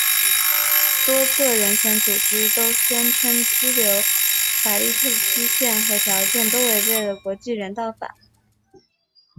多个人权组织都宣称拘留沙利特的期限和条件都违背了国际人道法。